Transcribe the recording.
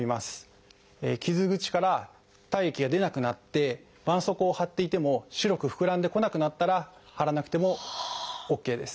傷口から体液が出なくなってばんそうこうを貼っていても白く膨らんでこなくなったら貼らなくてもＯＫです。